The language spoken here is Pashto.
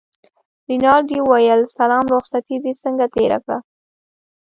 رینالډي وویل سلام رخصتې دې څنګه تېره کړه.